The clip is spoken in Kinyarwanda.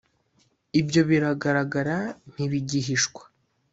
Ibyo biragaragara ntibigihishwa!